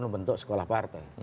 ini membentuk sekolah partai